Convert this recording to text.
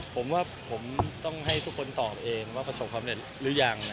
ผมว่าผมต้องให้ทุกคนตอบเองว่าประสบความเร็จหรือยัง